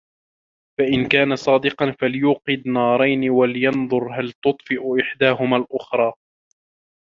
فَإِنْ كَانَ صَادِقًا فَلْيُوقِدْ نَارَيْنِ وَلْيَنْظُرْ هَلْ تُطْفِئُ إحْدَاهُمَا الْأُخْرَى